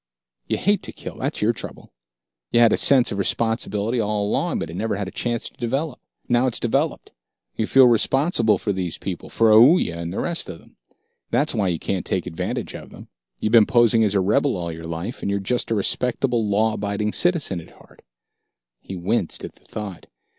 "You hate to kill, that's your trouble. You've had a sense of responsibility all along, but it never had a chance to develop. Now it's developed. You feel responsible for these people, for Aoooya and for the rest of them. That's why you can't take advantage of them. You've been posing as a rebel all your life, and you're just a respectable, law abiding citizen at heart." He winced at the thought.